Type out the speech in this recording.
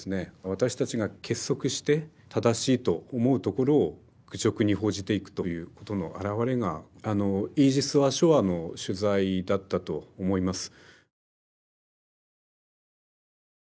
私たちが結束して正しいと思うところを愚直に報じていくということのあらわれがイージス・アショアの取材だったと思います。